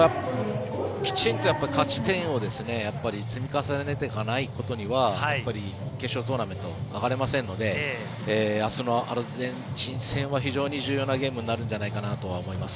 きちんと勝ち点を積み重ねていかないことには決勝トーナメントに上がれませんので明日のアルゼンチン戦は非常に重要なゲームになるんじゃないかなと思います。